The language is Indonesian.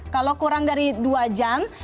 kalau kurang dari dua jam